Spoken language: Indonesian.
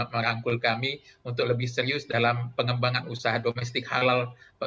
merangkul kami untuk lebih serius dalam pengembangan usaha domestik halal